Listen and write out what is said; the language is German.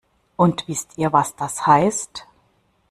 Und wisst ihr, was das heißt?